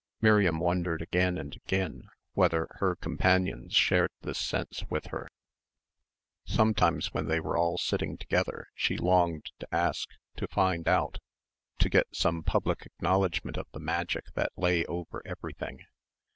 Miriam wondered again and again whether her companions shared this sense with her. Sometimes when they were all sitting together she longed to ask, to find out, to get some public acknowledgment of the magic that lay over everything.